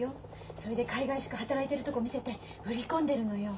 それでかいがいしく働いてるとこ見せて売り込んでるのよ。